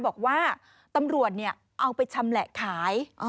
บอกว่าตำรวจเอาไปชำแหละขาย